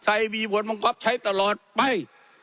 ใส่บีบทมงครับใช้ตลอดไป